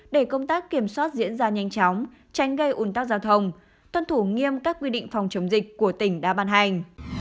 để công tác kiểm soát diễn ra nhanh chóng tránh gây ủn tắc giao thông tuân thủ nghiêm các quy định phòng chống dịch của tỉnh đã ban hành